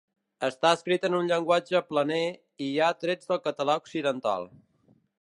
Està escrit en un llenguatge planer i hi ha trets del català occidental.